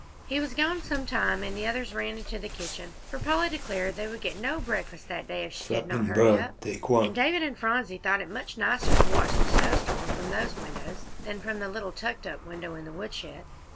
He was gone some time, and the others ran into the kitchen, for Polly declared they would get no breakfast that day if she did not hurry up, and David and Phronsie thought it much nicer to watch the snowstorm from those windows than from the little tucked up window in the woodshed.